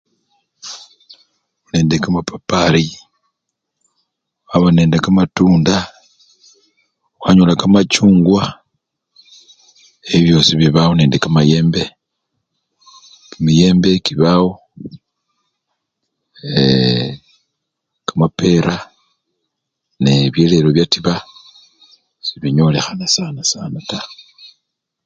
Nende kamapapari, khwaba nende kamatunda, khwanyola kamachungwa, ebyo byosi bibawo nende kamayembe, kiyembe kibawo, ee! kamapera nebyo lelo byatiba sebinyolekhana sana sana taa.